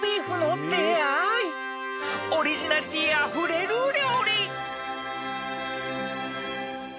［オリジナリティーあふれる料理］